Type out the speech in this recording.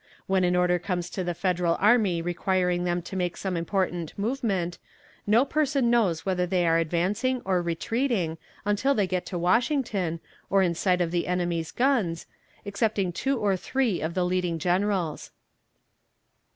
When an order comes to the Federal army requiring them to make some important movement, no person knows whether they are advancing or retreating until they get to Washington, or in sight of the enemy's guns, excepting two or three of the leading generals.